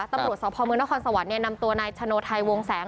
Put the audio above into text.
ตำรวจสพมนครสวรรค์นำตัวนายชโนไทยวงแสง